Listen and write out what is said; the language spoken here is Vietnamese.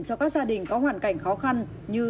cho các gia đình có hoàn cảnh khó khăn như